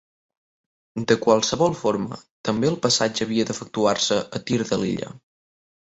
De qualsevol forma, també el passatge havia d'efectuar-se a tir de l'illa.